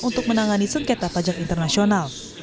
untuk menangani sengketa pajak internasional